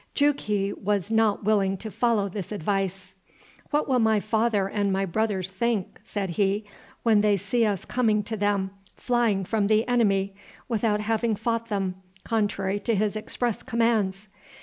Jughi was not willing to follow this advice. "What will my father and my brothers think," said he, "when they see us coming to them, flying from the enemy, without having fought them, contrary to his express commands?